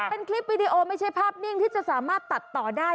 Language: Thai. เป็นคลิปวิดีโอไม่ใช่ภาพนิ่งที่จะสามารถตัดต่อได้